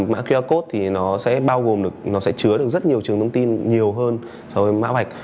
mã qr code thì nó sẽ bao gồm nó sẽ chứa được rất nhiều trường thông tin nhiều hơn so với mã vạch